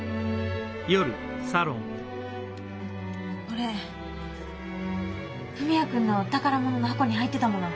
これ文也君の宝物の箱に入ってたもの。